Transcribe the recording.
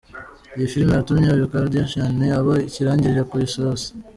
Iyi filimi yatumye uyu Kardashian aba ikirangirire ku isi yose.